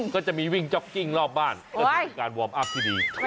ก็จะมีวิ่งจ๊อกกิ้งรอบบ้านก็ถือเป็นการวอร์มอัพที่ดี